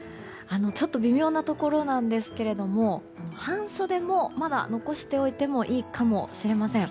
ちょっと微妙なところなんですけども半袖もまだ残しておいてもいいかもしれません。